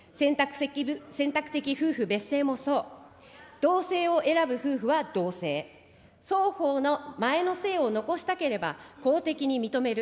選択的夫婦別姓もそう、同姓を選ぶ夫婦は同姓、双方の前の姓を残したければ公的に認める。